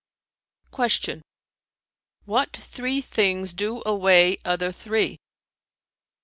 Q "What three things do away other three?"